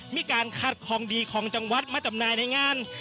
มีการคาดของดีของจังหวัดมาจำหน่ายในงาน